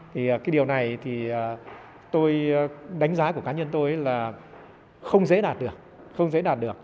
thì cái điều này tôi đánh giá của cá nhân tôi là không dễ đạt được